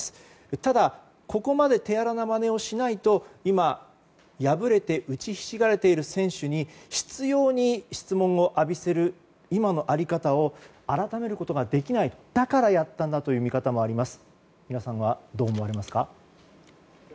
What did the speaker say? ただ、ここまで手荒なまねをしないと今、敗れて打ちひしがれている選手に執拗に質問を浴びせる今の在り方を改めることができない接種の対象に１２歳から１５歳も含めることになりました。